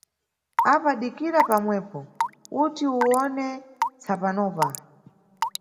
Apa dikira pamwepo, uti uwone tsapanopa.